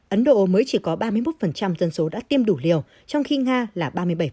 ấn độ mới chỉ có ba mươi một dân số đã tiêm đủ liều trong khi nga là ba mươi bảy